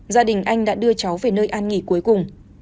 gia đình anh đã đưa cháu về nơi an nghỉ cuối cùng